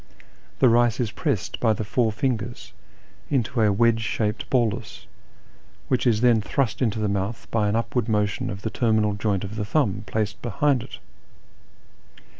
The rice is pressed by the four fingers into a wedge shaped bolus, which is then thrust into the mouth by an upward motion of the terminal joint of the thumb, placed behind it.